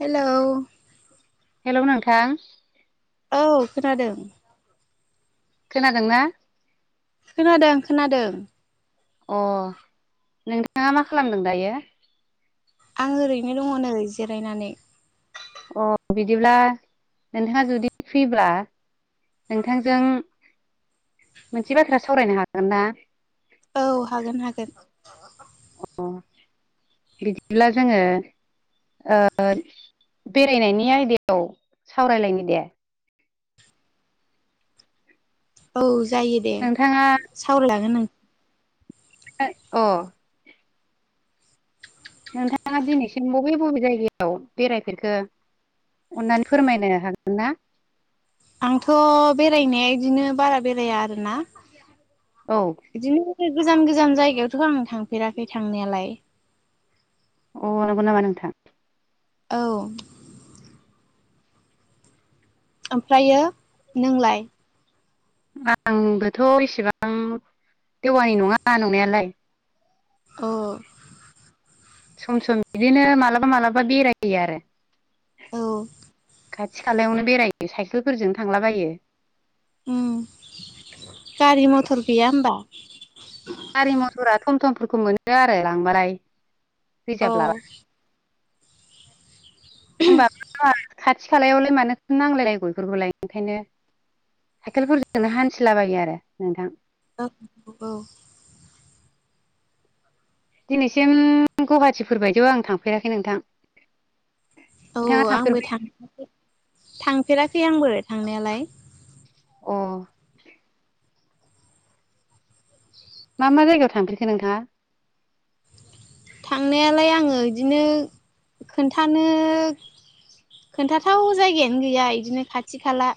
Hello. Hello नोंथां औ खोनादों। खोनादोंना? खोनादों खोनादों। अ नोंथाङा मा खालामदों दायो? आं ओरैनो दङ नै जिरायनानै। अ बिदिब्ला नोंथाङा जुदि फ्रिब्ला नोंथांजों मोनसे बाथ्रा सावरायनो हागोन ना? औ हागोन हागोन। बिदिब्ला जोङो ओ बेरायनायनि आयदायाव सावरायलायनि दे। औ जायो दे नोंथाङा सावराय जागोन नों [unintelligible] अ नोंथाङा दिनैसिम बबे बबे जायगायाव बेरायफेरखो? अननानै फोरमायनो हागोन ना? आंथ' बेरायनाया बिदिनो बारा बेराया आरोना। औ बिदिनो गो गोजान गोजान जायगायावथ' आं थांफेराखै थांनायालाय। अ नंगौ नामा नोंथां? औ ओमफ्रायो नोंलाय? आंबोथ' इसेबां देवानि नङा नंनायालाय। औ सम सम बिदिनो मालाबा मालाबा बेरहायो आरो। औ खाथि खालायावनो बेरायो साइकेलफोरजों थांलाबायो। उम गारि मथर गैया होमबा? गारि मथरा थम थमफोरखौ मोनो आरो लांबालाय । औ। होमबा बोथ खाथि खालायावलाय मानो नांलायलायो बेफोरखौलाय ओंखायनो साइखेलफोरजोंनो हान्थिलाबायो आरो नोंथां । औ औ। दिनैसिम गुवाहाटिफोर बायदियाव आं थांफेराखै नोंथां । औ आंबो थां थांफेराखै आंबो थांनायालाय । अ। मा मा जायगायाव थांफेरखो नोंथाङा? थांनायालाय आङो बिदिनो खोन्थानो खोन्थाथाव जायगायानो गैया बिदिनो खाथि खाला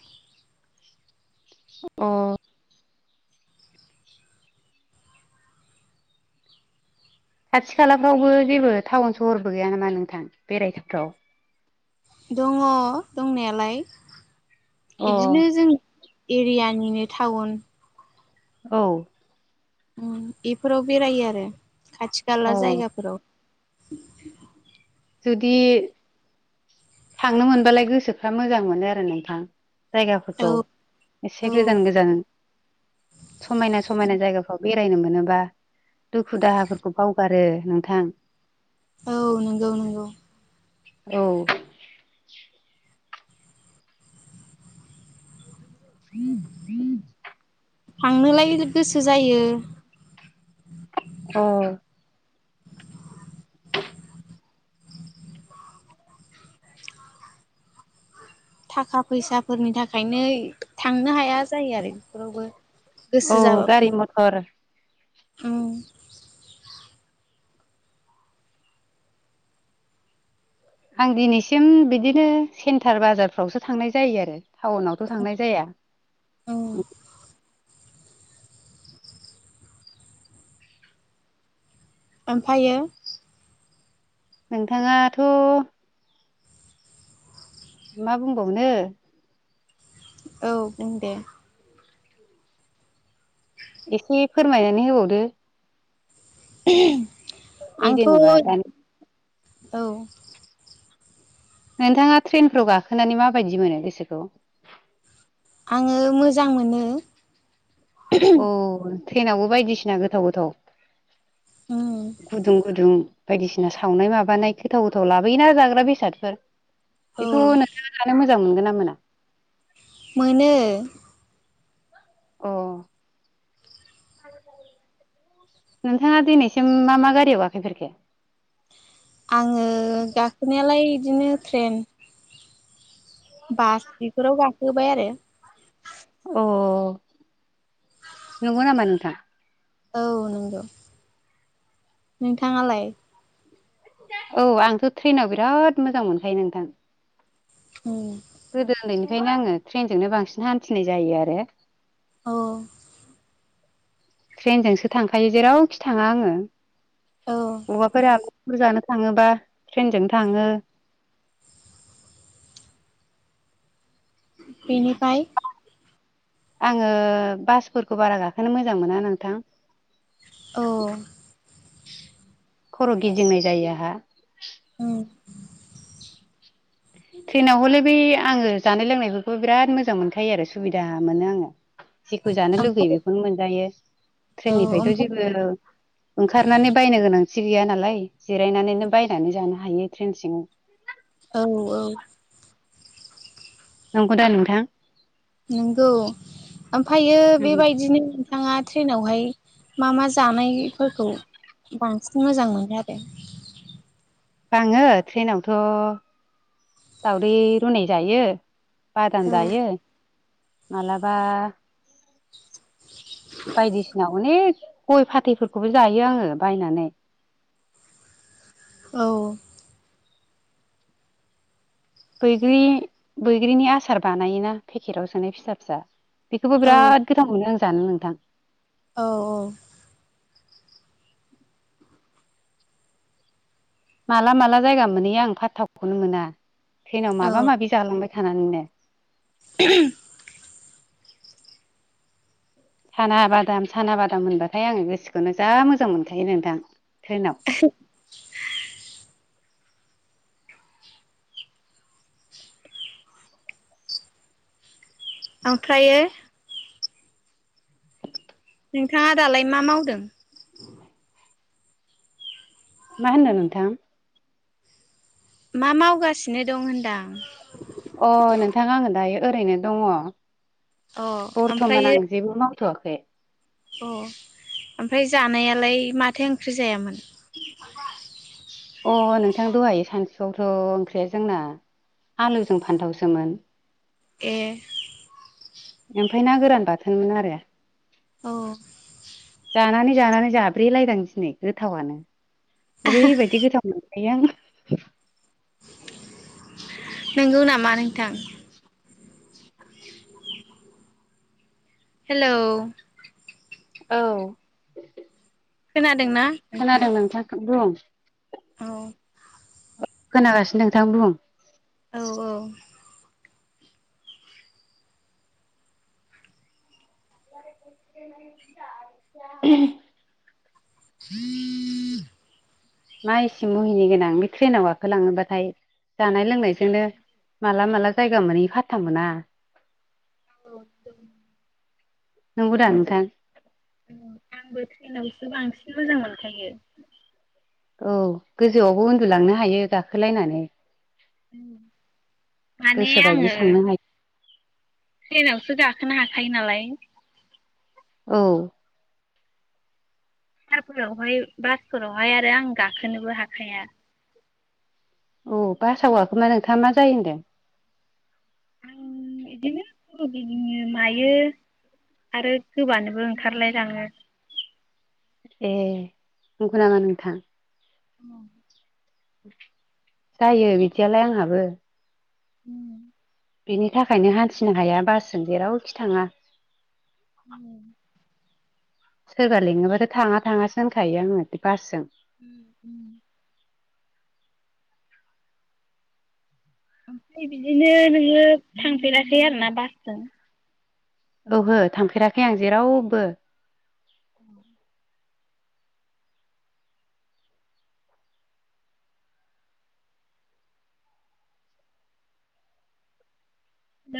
अ खाथि खालाफ्रावबो जेबो टाउन सहरबो गैया नामा नोंथां बेरायथावथाव दङ दंनायालाय अ बिदिनो जों एरियानिनो टाउन औ। बेफोराव बेरायो आरो खाथि खाला अ जायगाफोराव [unintelligible] जुदि थांनो मोनबालाय गोसोफ्रा मोजां मोनो आरो नोंथां औ जायगाफोरखौ एसे औ गोजान गोजान समायना समायना जायगा बेरायनो मोनोबा दुखु दाहाफोरखौ बावगारो नोंथां औ नंगौ नंगौ औ। [unintelligible] थांनोलाय गोसो जायो औ थाखा फैसाफोरनि थाखायनो थांनो हाया जायो आरो बेफोरावबो औ गारि मथर। औ। आं दिनैसिम बिदिनो सेन्टार बाजारफ्रावसो थांनाय जायो आरो टाउनावथ' थांनाय जाया औ ओमफ्रायो नोंथाङाथ' मा बुंबावनो औ बुंदे एसे फोरमायनानै होबावदो [unintelligible] आंथ' [unintelligible] औ नोंथाङा ट्रेनफ्राव गाखोनानै माबायदि मोनो गोसोखौ आङो मोजां मोनो। अ ट्रेनावबो बायदिसिना गोथाव गोथाव उम गुदुं गदुं बायदिसिना सावनाय माबानाय गोथाव गोथाव लाबोयोना जाग्रा बेसादफोर औ बेखौ नोंथाङा जानो मोजां मोनगोन ना मोना मोनो अ नोंथाङा दिनैसिम मा मा गारियाव गाखोफेरखो आङो गाखोनायालाय बिदिनो ट्रेन बास बेफोराव गाखोबाय आरो अ नंगौ नामा नोंथां औ नंगौ नोंथाङालाय औ आंथ' ट्रेनाव बिराद मोजां मोनखायो नोंथां औ गोदो उन्दैनिफ्रायनो आङो ट्रेनजोंनो बांसिन हान्थिनाय जायो आरो औ ट्रेनजोंसो थांखायो जेरावखि थाङा आङो औ बबावबाफोर बुर जानो थाङोबा ट्रेनजों थाङो बिनिफाय आङो बासफोरखौ बारा गाखोनो मोजां मोना नोंथां औ खर' गिदिंनाय जायो आहा औ ट्रेनाव हलाय बे आङो जानाय लोंनायफोरखौ बिराद मोजां मोनखायो आरो सुबिदा मोनो आङो जेखौ जानो लुुबैयो ओमफ्राय बेखौनो मोनजायो औ ट्रेननिफ्रायथ' जेबो ओमफ्राय ओंखारनानै बायनो गोनां जि गैया नालाय जिरायनानैनो बायनानै जानो हायो ट्रेन सिंआव औ औ नंगौदा नोंथां? नंगौ ओमफायो बेबायदिनो नोंथाङा ट्रेनावहाय मा मा जानायफोरखौ बांसिन मोजां मोनो आरो आङो ट्रेनावथ' दावदै रुनाय जायो बादाम जायो मालाबा बायदिसिना अनेक गय फाथैफोरखौबो जायो आङो बायनानै औ बैग्रि बैग्रिनि आसार बानायोना पेकेटाव सोनाय फिसा फिसा बेखौबो औ बिराद गोथाव मोनो आं जानो नोंथां औ औ माला माला जायगा मोनहैयो आं फाथावखौनो मोना ट्रेनाव माबा औ माबि जालांबाय थानानैनो [unintelligible] साना बादाम साना बादाम होनबाथाय आङो गोसोखौनो जा मोजां मोनखायो नोंथां ट्रेनाव ओमफ्रायो नोंथाङा दालाय मा मावदों? मा होनदो नोंथां? मा मावगासिनो दं होनदां ओ नोंथां आङो दायो ओरैनो दङ अ बरथमान आं जेबो मावथ'वाखै ओ ओमफ्राय जानायालाय माथो ओंख्रि जायामोन? ओ नोंथां दहाय सानसुआवथ' ओंख्रिया जोंना आलुजों फानथावसोमोन ए ओमफाय ना गोरान बाथोनमोन आरो औ जानानै जानानै जाब्रैलायदांसनै गोथावानो ओरैबायदि गोथाव मोन बाय आं नंगौ नामा नोंथां हेलौ । औ । खोनादोंना नोंथां खोनादों नोंथां बुं । औ । खोनागासिनो नोंथां बुं । औ औ [unintelligible] [unintelligible] मा एसे मुहिनि गोनां बे ट्रेनाव गाखोलाङोबाथाय जानाय लोंनायजोंनो माला माला जायगा मोनहैयो फाथथा मोना। [unintelligible] नंगौ दा नोंथां? आंबो ट्रेनावसो बांसिन मोजां मोनखायो। औ गोजौआवबो उन्दुलांनो हायो गाखोलायनानै। माने गोसोबायदि आङो थांनो हायो। ट्रेनावसो गाखोनो हाखायो नालाय । औ। कारफोरावहाय बासफोरावहाय आरो आं गाखोनोबो हाखाया। औ बासाव गाखोना नोंथाङा मा जायो होनदों? आं बिदिनो खर' गिदिङो मायो आरो गोबानोबो ओंखारलायलाङो। ए नंगौ नामा नोंथां? उम । जायो बिदियालाय आंहाबो। उम । बेनि थाखायनो हान्थिनो हाया बासजों जेरावखि थाङा । औ [inaudible] सोरबा लिङोबाथाय थाङा थाङासो होनखायो आङो बासजों। उम उम । ओमफ्राय बिदिनो नोङो थांफेराखै आरोना बासजों? औहो थांफेराखै आं जेरावबो। [inaudible] औ ।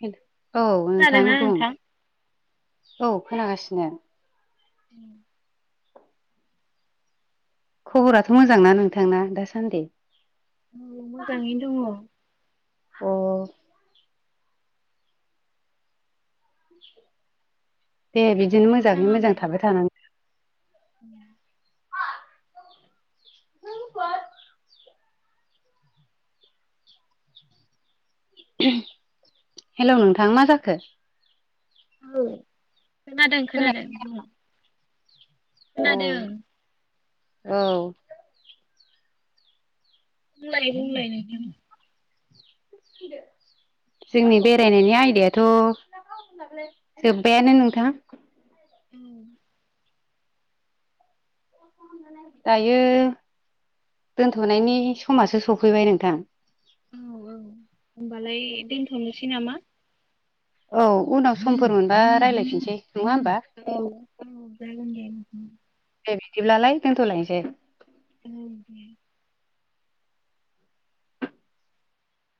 [unintelligible] औ नोंथां बुं औ खोनागासिनो। उम । खब'राथ' मोजांना नोंथांना दासान्दै? औ मोजाङैनो दङ। अ । दे बिदिनो मोजाङै मोजां थाबाय थानां उम । [unintelligible] [unintelligible] हेल' नोंथां मा जाखो? औ खोनादों खोनाया खोनादों बुं। औ खोनादों । औ । बुंलाय बुंलाय नोंथां । जोंनि बेरायनायनि आयदायाथ' जोब्बायानो नोंथां । उम । दायो दोनथ'नायनि समासो सफैबाय नोंथां। औ औ होमबालाय दोनथ'नोसै नामा? औ उनाव समफोर मोनबा रायज्लायफिननोसै। औ औ जागोन दे नोंथां। दे बिदिब्लालाय दोनथ'लायनोसै । उम दे।